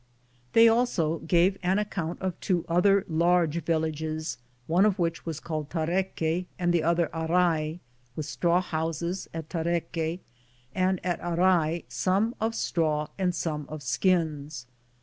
They also gave an account of two other large villages, one of which was called Tareque ' and the other Arae, with straw houses at Tareque, and at Arae some of straw and some of skins.